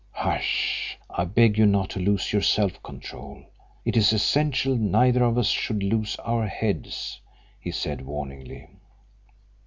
"Hush! I beg you not to lose your self control; it is essential neither of us should lose our heads," he said, warningly.